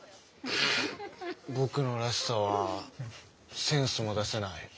僕の「らしさ」はセンスも出せない。